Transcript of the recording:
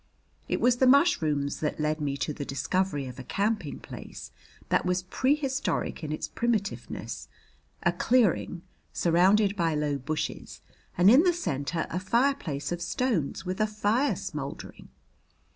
It was the mushrooms that led me to the discovery of a camping place that was prehistoric in its primitiveness a clearing, surrounded by low bushes, and in the center a fireplace of stones with a fire smouldering.